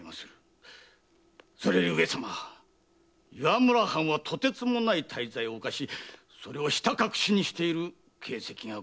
それより上様岩村藩はとてつもない大罪を犯しそれをひた隠しにしている形跡がございまする。